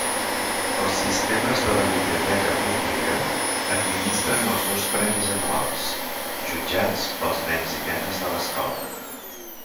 Els sistemes de la biblioteca pública administren els dos premis anuals, jutjats pels nens i nenes de l'escola.